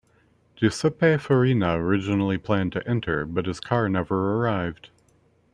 Giuseppe Farina originally planned to enter, but his car never arrived.